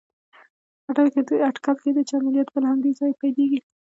اټکل کېده چې عملیات به له همدې ځایه پيلېږي.